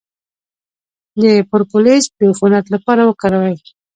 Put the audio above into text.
د پروپولیس د عفونت لپاره وکاروئ